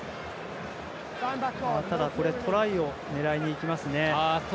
トライを狙いにいきますね。